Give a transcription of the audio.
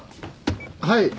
はい？